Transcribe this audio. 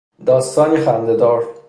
داستانی خندهدار